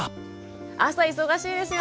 朝忙しいですよね。